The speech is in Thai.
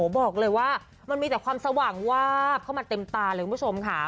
บอกเลยว่ามันมีแต่ความสว่างวาบเข้ามาเต็มตาเลยคุณผู้ชมค่ะ